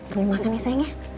perlu makan ya sayang ya